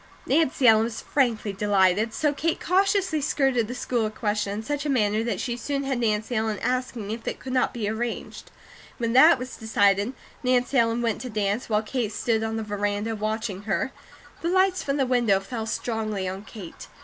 Nancy Ellen was frankly delighted, so Kate cautiously skirted the school question in such a manner that she soon had Nancy Ellen asking if it could not be arranged. When that was decided, Nancy Ellen went to dance, while Kate stood on the veranda watching her. The lights from the window fell strongly on Kate.